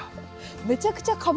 めちゃくちゃカブ。